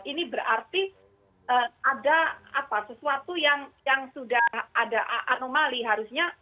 ini berarti ada sesuatu yang sudah ada anomali harusnya